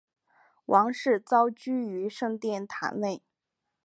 王室遭拘于圣殿塔内。